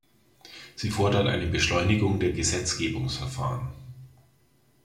Sie fordert eine Beschleunigung der Gesetzgebungsverfahren.